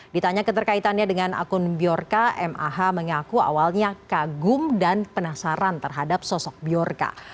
ditanya keterkaitannya dengan akun biorka mah mengaku awalnya kagum dan penasaran terhadap sosok biorka